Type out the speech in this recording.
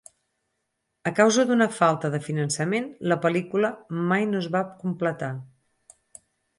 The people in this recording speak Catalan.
A causa d'una falta de finançament, la pel·lícula mai no es va completar.